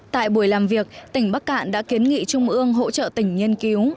tại buổi làm việc tỉnh bắc cạn đã kiến nghị trung ương hỗ trợ tỉnh nghiên cứu